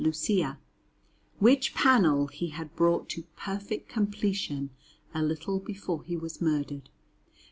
Lucia; which panel he had brought to perfect completion a little before he was murdered.